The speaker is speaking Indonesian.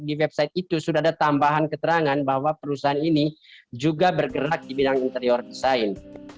di website itu sudah ada tambahan keterangan bahwa perusahaan ini juga bergerak di bidang interior design